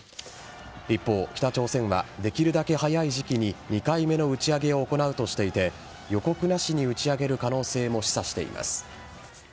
一方、北朝鮮はできるだけ早い時期に２回目の打ち上げを行うとしていて予告なしに打ち上げる可能性も示唆しています。